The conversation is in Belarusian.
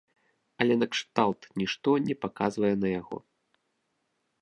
Але накшталт нішто не паказвае на яго?